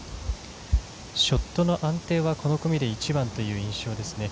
ショットの安定はこの組で一番という印象ですね。